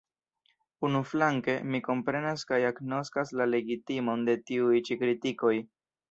Unuflanke, mi komprenas kaj agnoskas la legitimon de tiuj ĉi kritikoj.